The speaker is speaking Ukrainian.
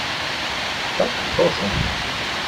Так, прошу.